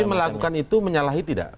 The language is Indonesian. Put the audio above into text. tapi melakukan itu menyalahi tidak